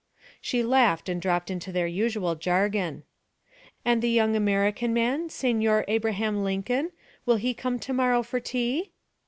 She laughed and dropped into their usual jargon. 'And the young American man, Signor Abraham Lincoln, will he come to morrow for tea?'